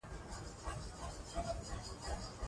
سیاسي نظام د ولس هیله ده